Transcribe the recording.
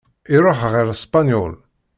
Iṛuḥ ɣer Spenyul.